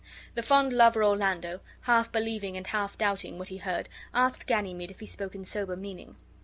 The fond lover Orlando, half believing and half doubting what he heard, asked Ganymede if he spoke in sober meaning.